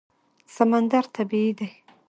سمندر طبیعي دی.